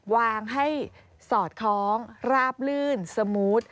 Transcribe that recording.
วางให้สอดคล้องราบลื่นสมูท